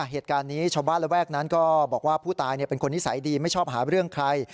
เหตุการณ์นี้ชาวบ้านระแวกนั้นก็บอกว่าผู้ตายเป็นคนนิสัยดีไม่ชอบหาเรื่องใคร